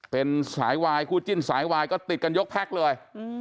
เป็นสายวายคู่จิ้นสายวายก็ติดกันยกแพ็คเลย